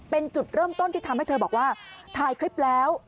เป็นจุดเริ่มต้นที่ทำให้เธอบอกว่าถ่ายคลิปแล้ว